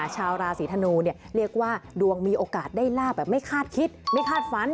ชาวราศีธนูเนี่ยเรียกว่าดวงมีโอกาสได้ลาบแบบไม่คาดคิดไม่คาดฝัน